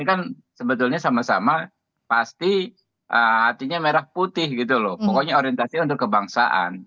ini kan sebetulnya sama sama pasti hatinya merah putih gitu loh pokoknya orientasi untuk kebangsaan